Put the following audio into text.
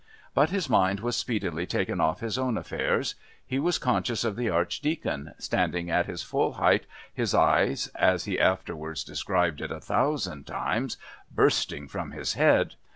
But his mind was speedily taken off his own affairs. He was conscious of the Archdeacon, standing at his full height, his eyes, as he afterwards described it a thousand times, "bursting from his head."